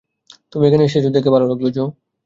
তুমি এখানে এসেছ দেখে ভালো লাগলো, জো।